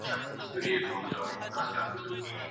که ته هڅه وکړې نو هر څه ممکن دي.